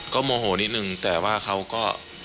ก็โมโหนิดนึงแต่ว่าเขาก็